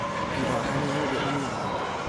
پیراهن نو به او میآید.